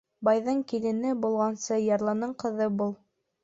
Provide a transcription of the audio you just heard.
Байҙың килене булғансы, ярлының ҡыҙы бул.